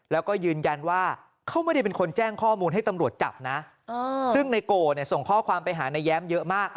แล้วก็ยืนยันว่าเขาไม่ได้เป็นคนแจ้งข้อมูลให้ตำรวจจับนะซึ่งในโกเนี่ยส่งข้อความไปหานายแย้มเยอะมาก